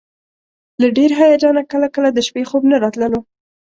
له ډېر هیجانه کله کله د شپې خوب نه راتللو.